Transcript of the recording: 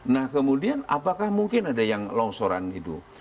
nah kemudian apakah mungkin ada yang longsoran itu